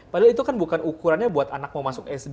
padahal itu kan bukan ukurannya buat anak mau masuk sd